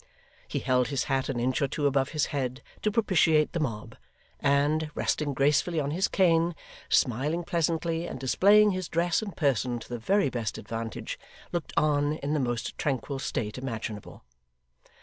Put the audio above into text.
He held his hat an inch or two above his head, to propitiate the mob; and, resting gracefully on his cane, smiling pleasantly, and displaying his dress and person to the very best advantage, looked on in the most tranquil state imaginable.